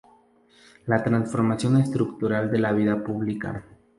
La transformación estructural de la vida pública".